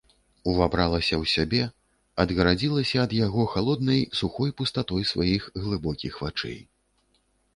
Увабралася ў сябе, адгарадзілася ад яго халоднай, сухой пустатой сваіх глыбокіх вачэй.